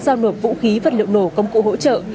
giao nộp vũ khí vật liệu nổ công cụ hỗ trợ